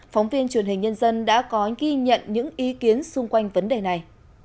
phóng viên truyền hình nhân dân đã có ghi nhận những ý kiến xung quanh vấn đề này